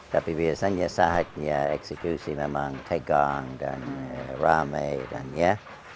tapi biasanya saatnya eksekusi memang tegang dan ramai kan ya